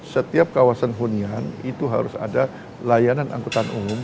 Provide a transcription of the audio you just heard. setiap kawasan hunian itu harus ada layanan angkutan umum